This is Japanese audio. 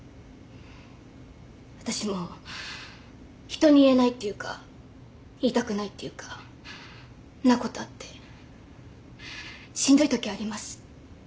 私も人に言えないっていうか言いたくないっていうかなことあってしんどいときあります。